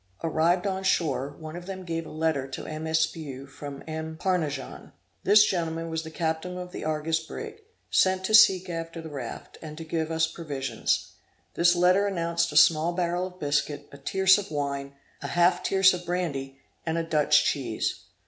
Arrived on shore, one of them gave a letter to M. Espiau from M. Parnajon. This gentleman was the captain of the Argus brig, sent to seek after the raft, and to give us provisions. This letter announced a small barrel of biscuit, a tierce of wine, a half tierce of brandy, and a Dutch cheese.